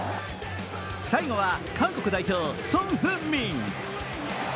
最後は、韓国代表ソン・フンミン。